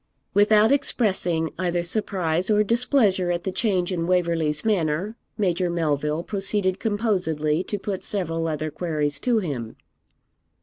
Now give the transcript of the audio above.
Without expressing either surprise or displeasure at the change in Waverley's manner, Major Melville proceeded composedly to put several other queries to him.